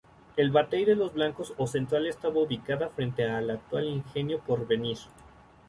El Batey de los Blancos o Central estaba ubicado frente al actual ingenio Porvenir.